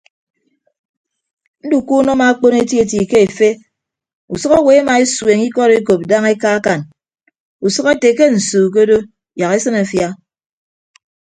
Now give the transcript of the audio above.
Ndukuunọ amaakpon etieti ke efe usʌk owo emaesueñ ikọd ekop daña ekaakan usʌk ete ke nsu ke odo yak esịn afia.